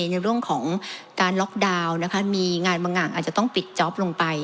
มีงานบางอย่างอาจจะต้องปิดจอบลงไป